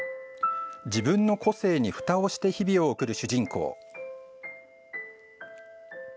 自分の個性にふたをして日々を送る主人公。